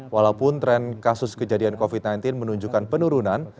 walaupun tren kasus kejadian covid sembilan belas menunjukkan penurunan